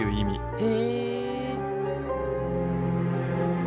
へえ。